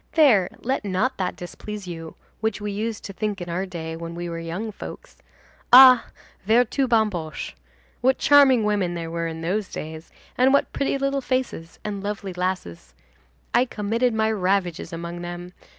There, let not that displease you which we used to think in our day, when we were young folks. Ah! vertu bamboche! what charming women there were in those days, and what pretty little faces and what lovely lasses! I committed my ravages among them.